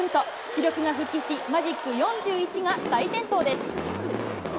主力が復帰し、マジック４１が再点灯です。